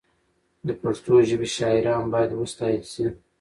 د پښتو ژبې شاعران باید وستایل شي.